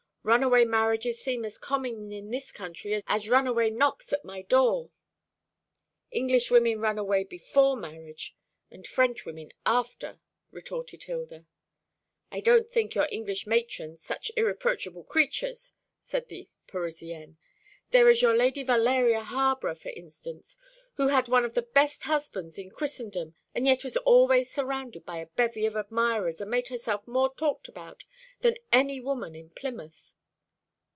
Runaway marriages seem as common in this country as runaway knocks at my door." "Englishwomen run away before marriage, and Frenchwomen after," retorted Hilda. "I don't think your English matrons such irreproachable creatures," said the Parisienne. "There is your Lady Valeria Harborough, for instance, who had one of the best husbands in Christendom, and yet was always surrounded by a bevy of admirers, and made herself more talked about than any woman in Plymouth."